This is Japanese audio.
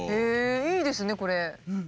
いいですねこれ。